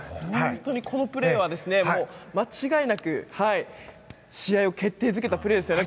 このプレーは間違いなく試合を決定づけたプレーでした。